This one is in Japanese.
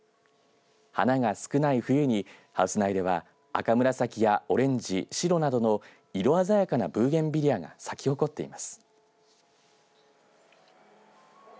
花が少ない冬にハウス内では赤紫やオレンジ、白などの色鮮やかなブーゲンビリアが咲きほこっています。